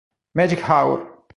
Magic Hour